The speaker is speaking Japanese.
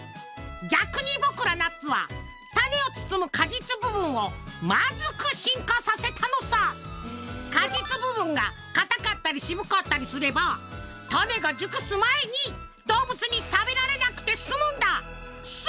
逆に僕らナッツは種を包む果実部分を果実部分が硬かったり渋かったりすれば種が熟す前に動物に食べられなくて済むんだ！